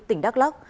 tỉnh đắk lắk